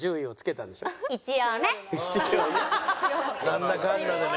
なんだかんだでね。